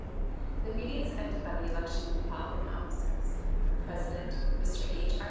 The meetings ended by the election of the following officers: President, Mr. H. R.